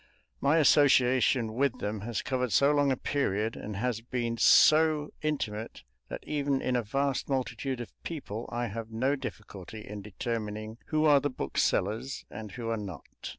My association with them has covered so long a period and has been so intimate that even in a vast multitude of people I have no difficulty in determining who are the booksellers and who are not.